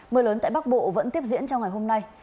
mưa lớn tại bắc bộ vẫn tiếp diễn trong ngày hôm nay